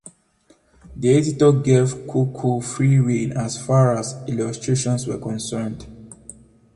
The editor gave Kaku free rein as far as illustrations were concerned.